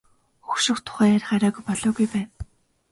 Хөгшрөх тухай ярих арай болоогүй байна.